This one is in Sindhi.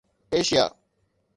ايشيا